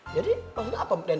jadi maksudnya apa den